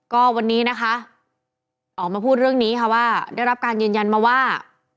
ก็วันนี้นะคะออกมาพูดเรื่องนี้ค่ะว่าได้รับการยืนยันมาว่า